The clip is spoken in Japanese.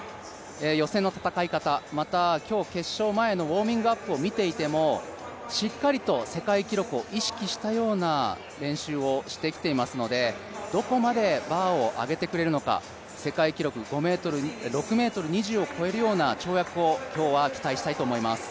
予選の戦い方、また、今日、決勝前のウオーミングアップを見ていてもしっかりと世界記録を意識したような練習をしてきていますのでどこまでバーを上げてくれるのか、世界記録６ｍ２０を越えるような跳躍を今日は期待したいと思います。